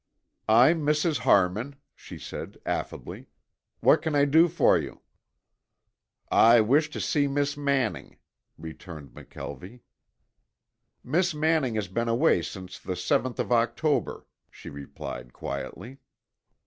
"I'm Mrs. Harmon," she said affably. "What can I do for you?" "I wish to see Miss Manning," returned McKelvie. "Miss Manning has been away since the seventh of October," she replied quietly.